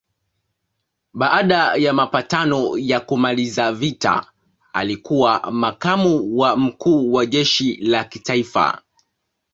Baada ya mapatano ya kumaliza vita alikuwa makamu wa mkuu wa jeshi la kitaifa.